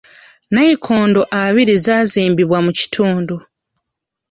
Nayikondo abiri zaazimbibwa mu kitundu.